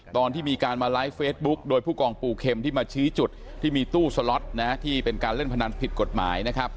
ตอนที่มีการมาไลฟ์เฟซบุ๊คโดยผู้กองปูเข็มที่มาชี้จุดที่มีตู้สล็อตที่เป็นการเล่นพนันผิดกฎหมายนะครับ